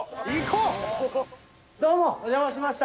どうもお邪魔しました。